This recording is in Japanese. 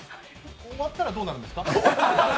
終わったらどうなるんですか？